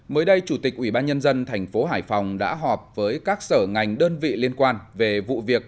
mới đây chủ tịch ubnd tp hải phòng đã họp với các sở ngành đơn vị liên quan về vụ việc